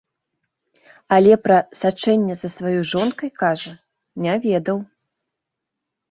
Але пра сачэнне за сваёй жонкай, кажа, не ведаў.